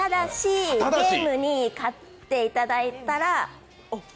ただし、ゲームに勝っていただいたら。